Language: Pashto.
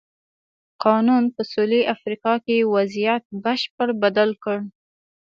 قانون په سوېلي افریقا کې وضعیت بشپړه بدل کړ.